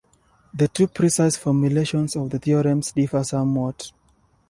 The two precise formulations of the theorems differ somewhat.